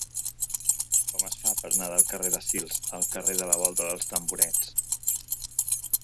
Com es fa per anar del carrer de Sils al carrer de la Volta dels Tamborets?